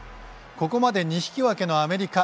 ここまで２引き分けのアメリカ。